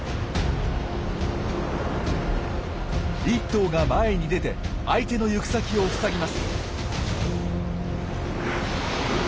１頭が前に出て相手の行く先を塞ぎます。